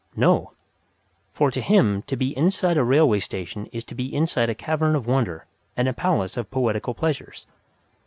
No; for to him to be inside a railway station is to be inside a cavern of wonder and a palace of poetical pleasures.